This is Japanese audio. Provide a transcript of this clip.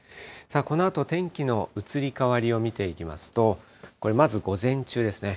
このあと、天気の移り変わりを見ていきますと、これ、まず午前中ですね。